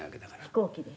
「飛行機で？」